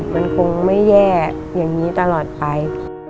มันคงไม่แย่อย่างนี้ตลอดไป